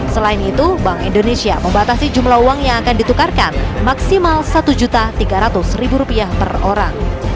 selain itu bank indonesia membatasi jumlah uang yang akan ditukarkan maksimal rp satu tiga ratus per orang